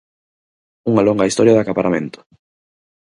Unha longa historia de acaparamento.